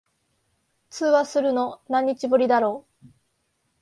通話するの、何日ぶりだろ。